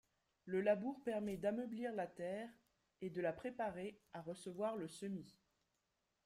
Le labour permet d'ameublir la terre et de la préparer à recevoir le semis.